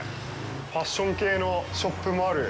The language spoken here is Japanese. ファッション系のショップもある。